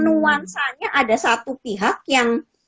nuansanya ada satu pihak yang